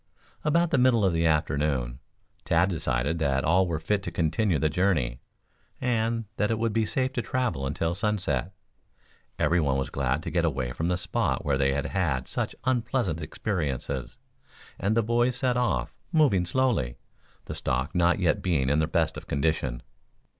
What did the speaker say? About the middle of the afternoon Tad decided that all were fit to continue the journey, and that it would be safe to travel until sunset. Everyone was glad to get away from the spot where they had had such unpleasant experiences, and the boys set off, moving slowly, the stock not yet being in the best of condition.